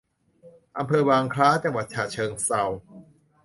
อำเภอบางคล้า จังหวัดฉะเชิงเทรา